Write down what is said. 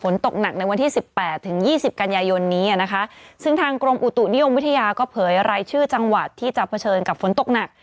ฝนตกหนักในวันที่สิบแปดถึงยี่สิบกันยายนนี้นะคะซึ่งทางกรมอุตุนิยมวิทยาก็เผยรายชื่อจังหวัดที่จะเผชิญกับฝนตกหนัก